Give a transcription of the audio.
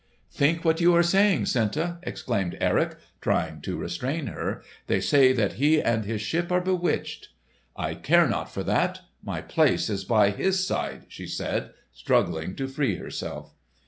"Think what you are saying, Senta!" exclaimed Erik trying to restrain her. "They say that he and his ship are bewitched!" "I care not for that! My place is by his side!" she said, struggling to free herself.